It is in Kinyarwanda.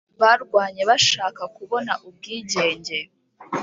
barwanye bashaka kubona ubwigenge